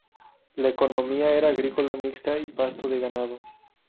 La economía era agrícola mixta y pasto de ganado.